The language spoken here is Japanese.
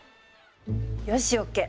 よしＯＫ！